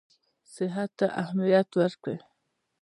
صحت ته اهمیت ورکړي.